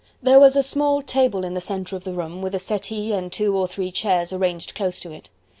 There was a small table in the centre of the room with a settee and two or three chairs arranged close to it.